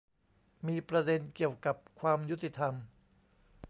มีประเด็นเกี่ยวกับความยุติธรรม